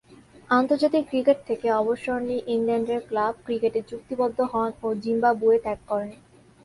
আন্তর্জাতিক ক্রিকেট থেকে অবসর নিয়ে ইংল্যান্ডের ক্লাব ক্রিকেটে চুক্তিবদ্ধ হন ও জিম্বাবুয়ে ত্যাগ করেন।